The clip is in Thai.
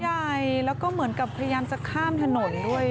ใหญ่แล้วก็เหมือนกับพยายามจะข้ามถนนด้วย